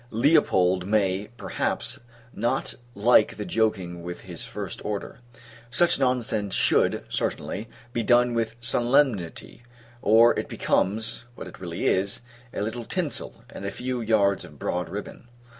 Leopold may, perhaps, not like the joking with his first order. Such nonsense should, certainly, be done with solemnity; or it becomes, what it really is, a little tinsel, and a few yards of broad ribbon.